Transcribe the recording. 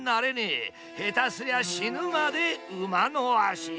下手すりゃ死ぬまで馬の足。